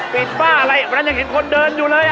ป้าอะไรวันนั้นยังเห็นคนเดินอยู่เลย